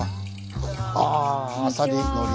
あ「あさり」「のり」。